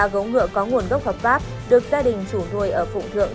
ba gấu ngựa có nguồn gốc hợp pháp được gia đình chủ thuê ở phụng thượng